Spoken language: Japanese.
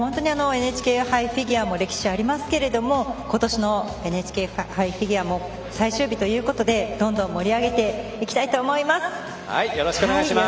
ＮＨＫ杯も歴史ありますけれども今年のＮＨＫ杯フィギュアも最終日ということでどんどん盛り上げていきたいと思います。